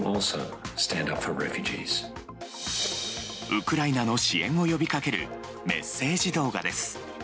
ウクライナの支援を呼びかけるメッセージ動画です。